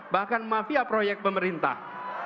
bahkan mafia proyek pemerintah